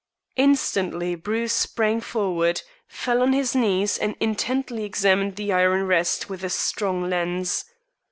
Instantly Bruce sprang forward, fell on his knees, and intently examined the iron rest with a strong lens.